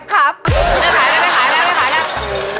ไม่ขายแล้ว